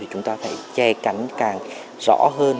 chúng ta phải che cắn càng rõ hơn